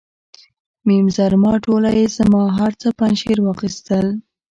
میم زرما ټوله یې زما، هر څه پنجشیر واخیستل.